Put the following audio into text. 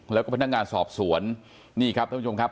แล้วก็พนักงานสอบสวนนี่ครับท่านผู้ชมครับ